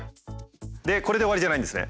これで終わりじゃないんですね。